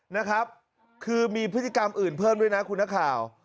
นะครับคือมีพฤติกรรมอื่นเพิ่มด้วยนะคุณนักข่าว